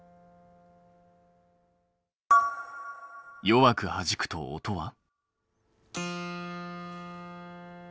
弱くはじくと音は？